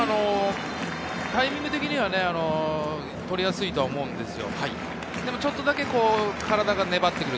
タイミング的には、取りやすいと思うんですよ。